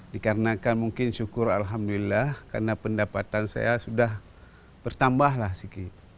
dikarenakan mungkin syukur alhamdulillah karena pendapatan saya sudah bertambahlah siki